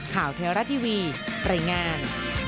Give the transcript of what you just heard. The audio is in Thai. ข่าวเทราะทีวีเปรย์งาน